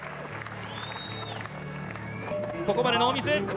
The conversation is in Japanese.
ここまでノーミス。